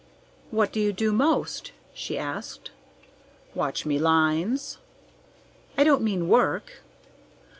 "What do you do most?" she asked. "Watch me lines." "I don't mean work!"